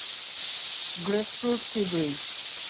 Grapefruit sea bridge.